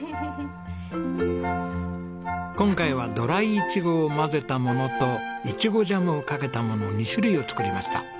今回はドライいちごを混ぜたものといちごジャムをかけたもの２種類を作りました。